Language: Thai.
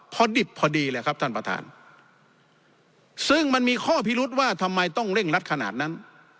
พอดิบพอดีเลยครับท่านประธานซึ่งมันมีข้อพิรุษว่าทำไมต้องเร่งรัดขนาดนั้น